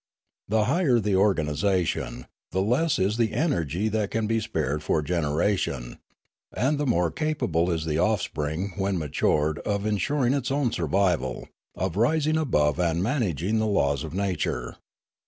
The higher the organisation, the less is the energy that can be spared for generation, and the more capable is the offspring when matured of en suring its own survival, of rising above and managing the laws of nature.